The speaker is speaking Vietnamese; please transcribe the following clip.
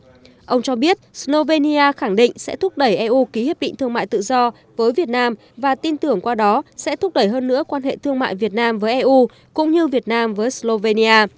trong đó ông cho biết slovenia khẳng định sẽ thúc đẩy eu ký hiệp định thương mại tự do với việt nam và tin tưởng qua đó sẽ thúc đẩy hơn nữa quan hệ thương mại việt nam với eu cũng như việt nam với slovenia